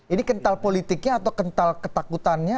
ini kental politiknya atau kental ketakutannya